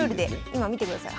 今見てください。